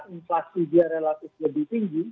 inflasi dia relatif lebih tinggi